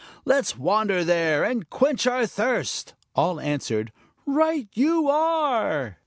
Let's wander there and quench our thirst." All answered, "Right you are."